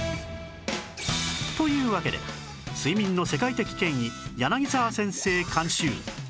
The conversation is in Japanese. というわけで睡眠の世界的権威柳沢先生監修